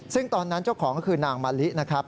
ซึ่งตอนนั้นเจ้าของก็คือนางมะลินะครับ